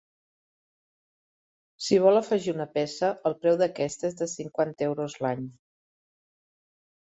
Si vol afegir una peça, el preu d'aquesta és de cinquanta euros l'any.